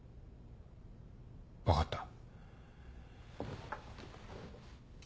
分かった。